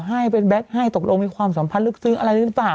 ให้เป็นแก๊กให้ตกลงมีความสัมพันธ์ลึกซึ้งอะไรหรือเปล่า